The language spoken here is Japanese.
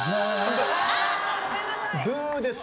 ブーです。